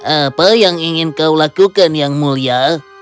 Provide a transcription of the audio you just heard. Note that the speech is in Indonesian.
apa yang ingin kau lakukan yang mulia